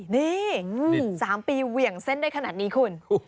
นี่๓ปีเหวี่ยงเส้นได้ขนาดนี้คุณ